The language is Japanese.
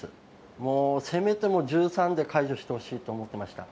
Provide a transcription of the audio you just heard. もうせめて１３で解除してほしいと思ってました。